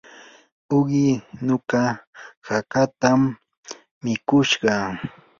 uqi muka hakatam mikushqa.